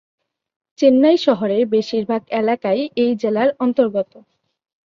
চেন্নাই শহরের বেশিরভাগ এলাকাই এই জেলার অন্তর্গত।